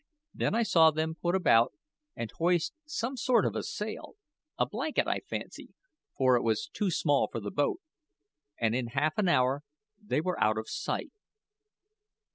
Then I saw them put about and hoist some sort of sail a blanket, I fancy, for it was too small for the boat and in half an hour they were out of sight."